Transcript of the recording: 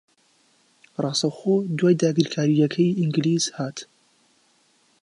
ڕاستەوخۆ دوای داگیرکارییەکەی ئینگلیز ھات